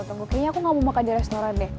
tunggu kayaknya aku gak mau makan di restoran deh